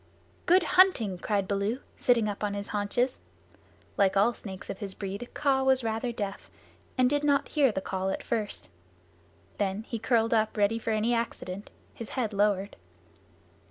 "Good hunting!" cried Baloo, sitting up on his haunches. Like all snakes of his breed Kaa was rather deaf, and did not hear the call at first. Then he curled up ready for any accident, his head lowered.